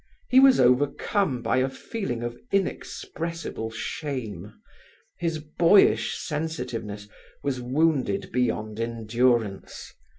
He was overcome by a feeling of inexpressible shame; his boyish sensitiveness was wounded beyond endurance.